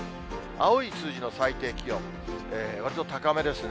青い数字の最低気温、わりと高めですね。